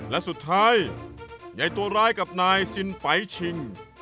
และสุดท้ายใยตัวร้ายกับนายซินไปชิง